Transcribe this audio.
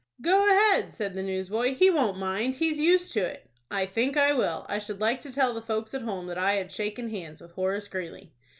"Go ahead!" said the newsboy. "He won't mind. He's used to it." "I think I will. I should like to tell the folks at home that I had shaken hands with Horace Greeley."